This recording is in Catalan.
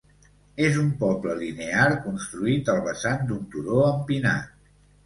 És un poble linear construït al vessant d'un turó empinat.